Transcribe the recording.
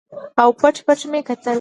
او پټ پټ مې کتل.